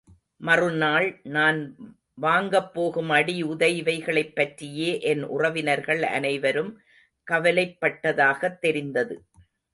மறுநாள் நான் வாங்கப் போகும் அடி உதை இவைகளைப் பற்றியே என் உறவினர்கள் அனைவரும் கவலைப்பட்டதாகத் தெரிந்தது.